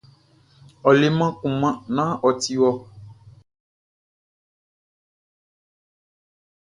Ɔ leman kunman naan ɔ ti wɔ.